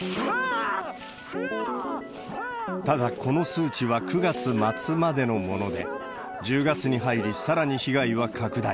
ただ、この数値は９月末までのもので、１０月に入り、さらに被害は拡大。